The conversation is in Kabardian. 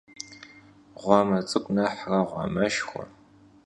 Ğuame ts'ık'u nexhre ğuameşşxue.